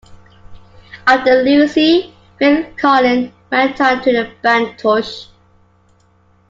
After Lucy, Phil Collen went on to the band Tush.